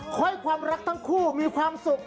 ให้ความรักทั้งคู่มีความสุข